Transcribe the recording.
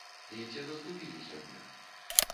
І ці заступілі сёння?